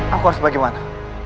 aku harus bagaimana